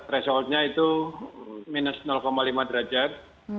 result nya itu minus lima derajat